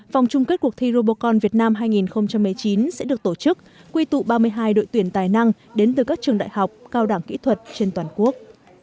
vòng chung kết cuộc thi robocon việt nam hai nghìn một mươi chín sẽ được tổ chức quy tụ ba mươi hai đội tuyển tài năng đến từ các trường đại học cao đẳng kỹ thuật trên toàn quốc